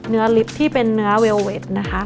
เนื้อลิปที่เป็นเนื้อเวลเวทนะคะ